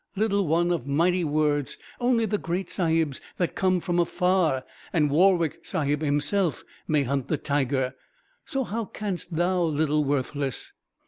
"Little one of mighty words, only the great sahibs that come from afar, and Warwick Sahib himself, may hunt the tiger, so how canst thou, little worthless?"